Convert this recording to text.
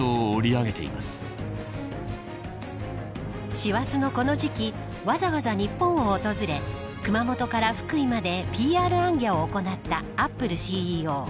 師走のこの時期わざわざ日本を訪れ熊本から福井までＰＲ行脚を行ったアップルＣＥＯ。